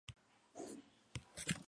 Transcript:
Disputa sus partidos en el "Hala prof.